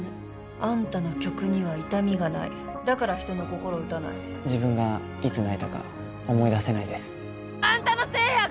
あんたの曲には痛みがないだから人の心を打たない自分がいつ泣いたか思い出せないですあんたのせいやが！